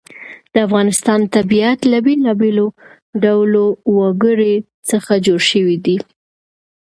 د افغانستان طبیعت له بېلابېلو ډولو وګړي څخه جوړ شوی دی.